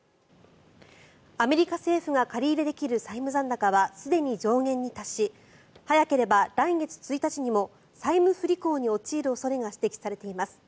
アメリカ政府が借り入れできる債務残高はすでに上限に達し早ければ来月１日にも債務不履行に陥る恐れが指摘されています。